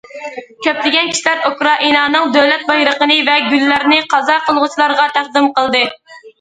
كۆپلىگەن كىشىلەر ئۇكرائىنانىڭ دۆلەت بايرىقىنى ۋە گۈللەرنى قازا قىلغۇچىلارغا تەقدىم قىلدى.